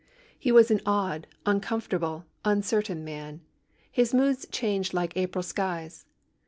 He was an odd, uncomfortable, uncertain man. His moods changed like April skies.